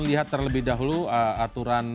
lihat terlebih dahulu aturan